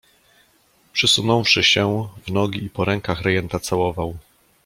"Przysunąwszy się, w nogi i po rękach rejenta całował."